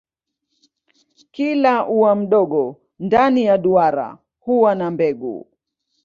Kila ua mdogo ndani ya duara huwa na mbegu.